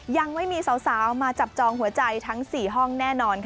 ยังไม่มีสาวมาจับจองหัวใจทั้ง๔ห้องแน่นอนค่ะ